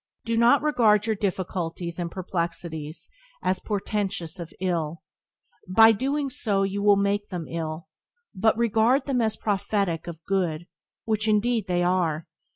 Do not regard your difficulties and perplexities as portentous of ill; by so doing you will make them ill; but regard them as prophetic of good, which, indeed, they are.